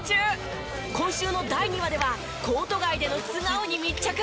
今週の第２話ではコート外での素顔に密着。